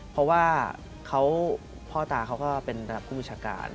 เพราะว่าพ่อตาเขาก็เป็นภูมิชาการ